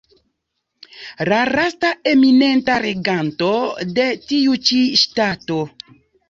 La lasta eminenta reganto de tiu ĉi ŝtato.